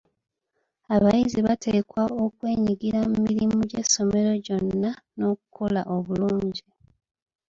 Abayizi bateekwa okwenyigira mu mirimu gy'essomero gyonna n'okukola obulungi.